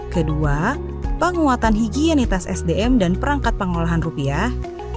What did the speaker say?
kedua penguatan higienitas sdm dan perangkat pengolahan rupiah